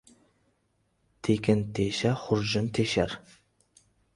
Tekin tesha xurjun teshar.